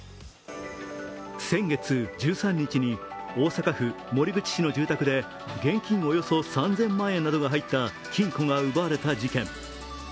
先月１３日に大阪府守口市の住宅で現金およそ３０００万円などが入った金庫が奪われた事件。